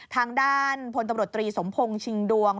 ทางด้านพตรสมพงศ์ชิงดวง